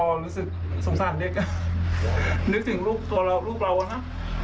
ก็รู้สึกสงสารเด็กอ่ะนึกถึงลูกตัวเราลูกเราอะนะ